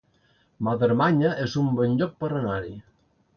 Madremanya es un bon lloc per anar-hi